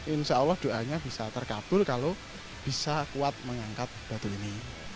insya allah doanya bisa terkabul kalau bisa kuat mengangkat batu ini